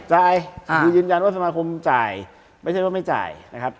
จ่ายคือยืนยันว่าสมาคมจ่ายไม่ใช่ว่าไม่จ่ายนะครับ